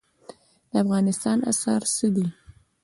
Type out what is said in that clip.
د افغانستان اسعار څه دي؟